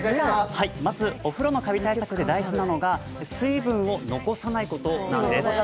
まず、お風呂のカビ対策で大事なのが、水分を残さないことなんです。